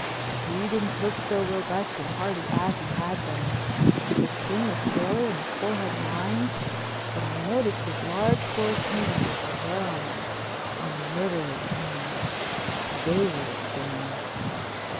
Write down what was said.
He didn't look so robust and hearty as he had then; his skin was paler and his forehead lined; but I noticed his large coarse hands with the hair on them—a murderer's hands—they were the same.